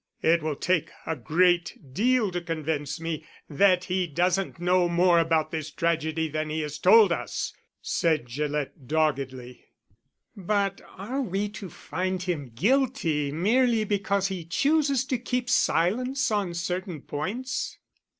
"It will take a great deal to convince me that he doesn't know more about this tragedy than he has told us," said Gillett doggedly. "But are we to find him guilty merely because he chooses to keep silence on certain points?"